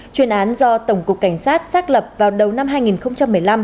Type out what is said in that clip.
chuyên án do tổng cục cảnh sát xác lập vào đầu năm hai nghìn một mươi năm